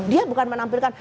dia bukan menampilkan